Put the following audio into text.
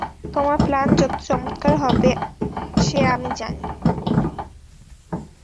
তোমার প্ল্যান যত চমৎকার হবে সে আমি জানি।